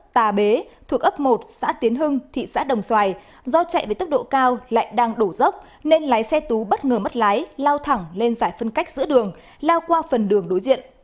tà bế thuộc ấp một xã tiến hưng thị xã đồng xoài do chạy với tốc độ cao lại đang đổ dốc nên lái xe tú bất ngờ mất lái lao thẳng lên giải phân cách giữa đường lao qua phần đường đối diện